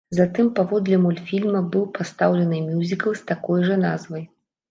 Затым паводле мультфільма быў пастаўлены мюзікл з такой жа назвай.